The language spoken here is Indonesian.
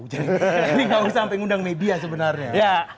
jadi gak usah sampai ngundang media sebenarnya